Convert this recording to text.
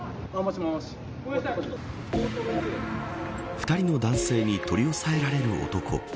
２人の男性に取り押さえられる男。